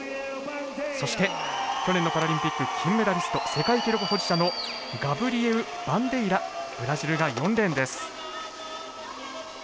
そして、去年のパラリンピック金メダリスト、世界記録保持者のガブリエウ・バンデイラブラジルが４レーンです。